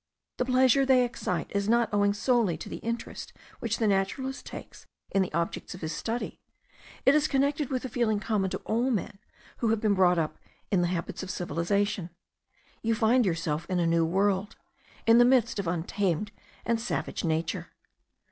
The pleasure they excite is not owing solely to the interest which the naturalist takes in the objects of his study, it is connected with a feeling common to all men who have been brought up in the habits of civilization. You find yourself in a new world, in the midst of untamed and savage nature.